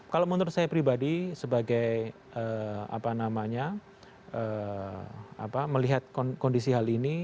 kalau menurut saya pribadi sebagai melihat kondisi hal ini